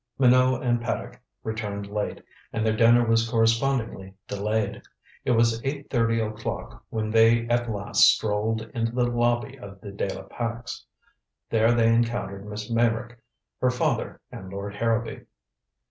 Minot and Paddock returned late, and their dinner was correspondingly delayed. It was eight thirty o'clock when they at last strolled into the lobby of the De la Pax. There they encountered Miss Meyrick, her father and Lord Harrowby.